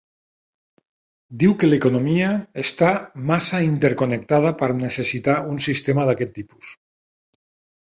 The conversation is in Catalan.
Diu que l'economia està massa interconnectada per necessitar un sistema d'aquest tipus.